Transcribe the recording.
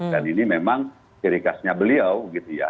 dan ini memang ciri khasnya beliau gitu ya